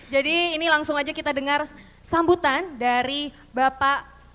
jadi ini langsung aja kita dengar sambutan dari bapak